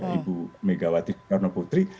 ibu megawati karnoputri